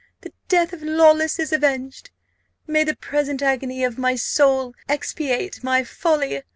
the death of Lawless is avenged. May the present agony of my soul expiate my folly!